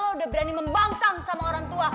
oh udah berani membangkang sama orang tua